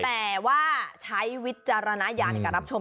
แต่ว่าใช้วิจารณายาเห็นกับรับชม